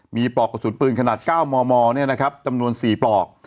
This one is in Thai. มีปลอกกระสุนปืนขนาด๙มมจำนวน๔ปลอก